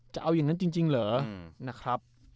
จะเอายังงั้นจริงหรอ